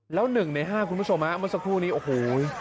แล้ว๑ใน๕คุณผู้ชมฮะเมื่อสักครู่นี้โอ้โห